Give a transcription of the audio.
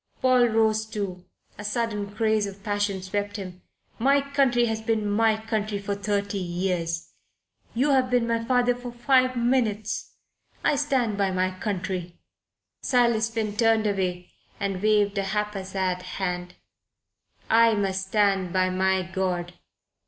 Paul rose too. A sudden craze of passion swept him. "My country has been my country for thirty years. You have been my father for five minutes. I stand by my country." Silas Finn turned away and waved a haphazard hand. "And I must stand by my God."